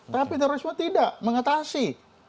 tapi terorisme tidak mengatasi